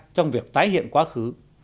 trong việc tái hiện quá khứ